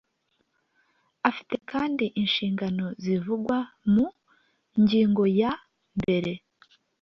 Afite kandi inshingano zivugwa mu ngingo ya mbere